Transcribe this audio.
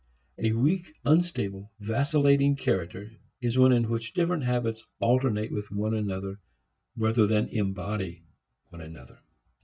A weak, unstable, vacillating character is one in which different habits alternate with one another rather than embody one another.